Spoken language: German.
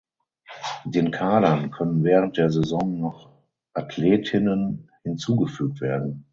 Den Kadern können während der Saison noch Athletinnen hinzugefügt werden.